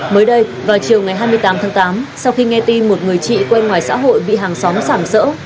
mới đây vào chiều ngày hai mươi tám tháng tám sau khi nghe tin một người chị quen ngoài xã hội bị hàng xóm xảm sỡ